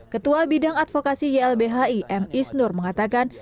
ketua bidang advokasi ylbhi m isnur mengatakan